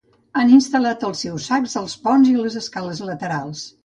Han instal·lat els seus sacs als ponts i les escales laterals.